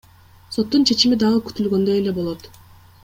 Соттун чечими дагы күтүлгөндөй эле болот.